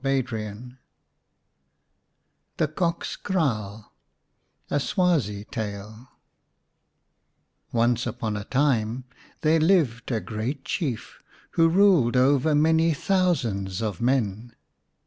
131 XI THE COCK'S KRAAL A SWAZI TALE ONCE upon a time there lived a great Chief who ruled over many thousands of men.